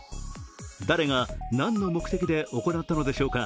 誰が何の目的で行ったのでしょうか。